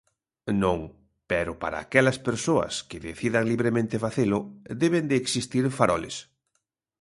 Non, pero para aquelas persoas que decidan libremente facelo deben de existir faroles.